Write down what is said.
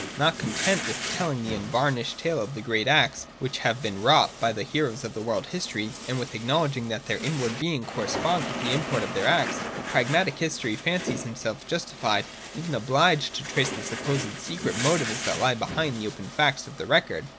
Not content with telling the unvarnished tale of the great acts which have been wrought by the heroes of the world's history, and with acknowledging that their inward being corresponds with the import of their acts, the pragmatic historian fancies himself justified and even obliged to trace the supposed secret motives that lie behind the open facts of the record.